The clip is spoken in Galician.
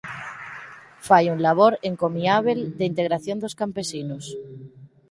Fai un labor encomiábel de integración dos campesiños.